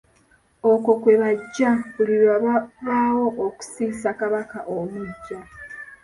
Okwo kwe baggya, buli lwe wabaawo okusisa Kabaka omuggya.